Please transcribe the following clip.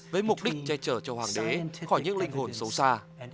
với mục đích che chở cho hoàng đế khỏi những linh hồn xấu xa